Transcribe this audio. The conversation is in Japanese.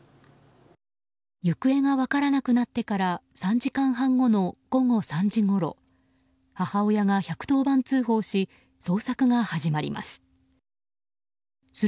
行方が分からなくなってから３時間半後の午後３時ごろ、母親が１１０番通報し捜索が始まります。